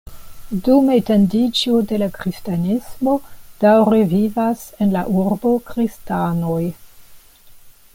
Dum etendiĝo de la kristanismo daŭre vivas en la urbo kristanoj.